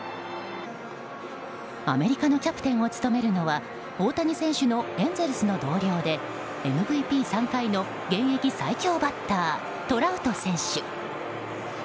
アメリカのキャプテンを務めるのは大谷選手のエンゼルスの同僚でＭＶＰ３回の現役最強バッター、トラウト選手。